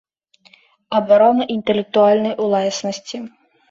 Абарона iнтэлектуальнай уласнасцi.